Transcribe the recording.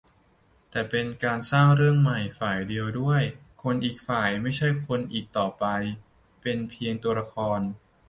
แต่เป็นการสร้างเรื่องใหม่ฝ่ายเดียวด้วย คนอีกฝ่ายไม่ใช่คนอีกต่อไป เป็นเพียงตัวละคร